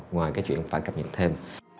ngoài cái chuyện phải cập nhật thêm